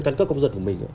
căn cước công dân của mình